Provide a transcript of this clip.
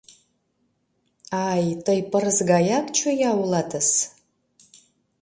Ай, тый пырыс гаяк чоя улатыс.